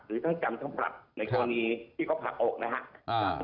หรือทั้งกำทั้งปรับในตัวนี้ที่ก็ผลักอกนะฮะ